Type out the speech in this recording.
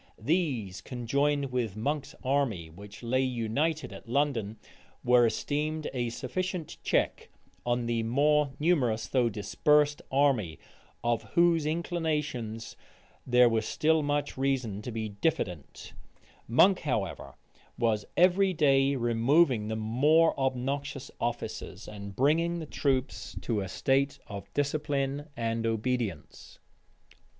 These, conjoined with Monk's army, which lay united at London, were esteemed a sufficient check on the more numerous, though dispersed army, of whose inclinations there was still much reason to be diffident Monk, however, was every day removing the more obnoxious officers, and bringing the troops to a state of discipline and obedience.